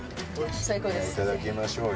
いただきましょうよ。